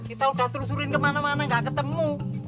kita udah terus terusin kemana mana gak ketemu